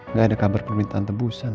nggak ada kabar permintaan tebusan